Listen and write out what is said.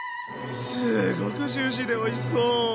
すごくジューシーでおいしそう。